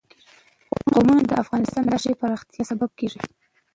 قومونه د افغانستان د ښاري پراختیا سبب کېږي.